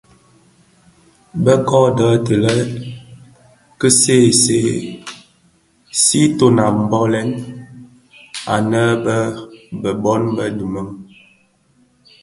Bë kōdō ti lè ki see see siiton a bolè anë bi bon bë dimèn.